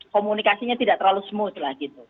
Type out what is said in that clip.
komunikasinya tidak terlalu smooth lah gitu